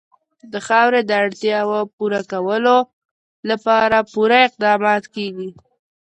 د خاورې د اړتیاوو پوره کولو لپاره پوره اقدامات کېږي.